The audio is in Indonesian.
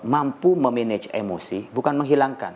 mampu memanage emosi bukan menghilangkan